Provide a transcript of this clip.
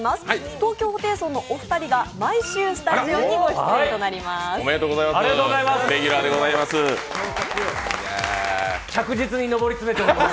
東京ホテイソンのお二人が毎週スタジオにご出演となります。